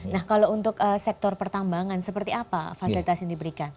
nah kalau untuk sektor pertambangan seperti apa fasilitas yang diberikan